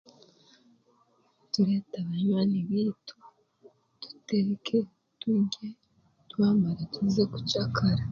Tureeta banywaani beitu tuteeke turye twamara tuze kukyakara.